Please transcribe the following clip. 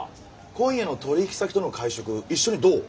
今夜の取引先との会食一緒にどう？